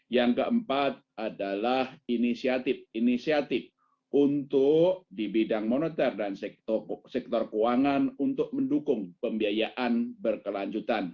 yang keempat adalah inisiatif inisiatif untuk di bidang moneter dan sektor keuangan untuk mendukung pembiayaan berkelanjutan